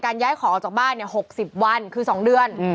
การย้ายของออกจากบ้านเนี่ย๖๐วันคือ๒เดือน